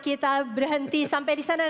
kita berhenti sampai di sana